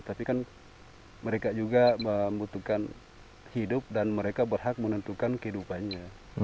tapi kan mereka juga membutuhkan hidup dan mereka berhak menentukan kehidupannya